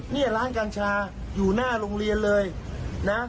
ไม่ให้ขายใกล้โรงเรียนนะ